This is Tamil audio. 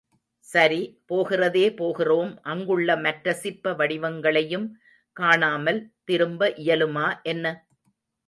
சரி, போகிறதே போகிறோம் அங்குள்ள மற்ற சிற்ப வடிவங்களையும் காணாமல் திரும்ப இயலுமா என்ன?